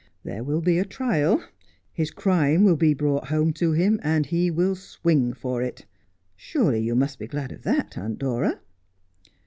There will be a trial ; his crime will be brought home to him, and he will swing for it. Surely you must be glad of that, Aunt Dora